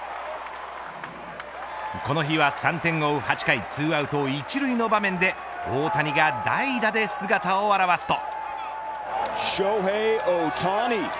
この日は３点を追う８回２アウト１塁の場面で大谷が代打で姿を現すと。